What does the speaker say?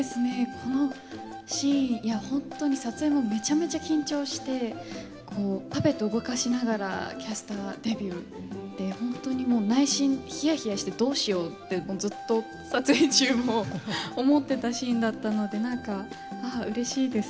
このシーン本当に撮影もめちゃめちゃ緊張してパペットを動かしながらキャスターデビューで本当にもう内心ヒヤヒヤしてどうしようってずっと撮影中も思ってたシーンだったので何かうれしいです。